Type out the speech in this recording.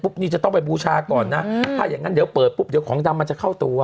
นี่จะต้องไปบูชาก่อนนะถ้าอย่างงั้นเดี๋ยวเปิดปุ๊บเดี๋ยวของดำมันจะเข้าตัว